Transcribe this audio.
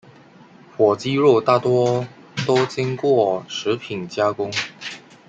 火鸡肉大多都经过食品加工。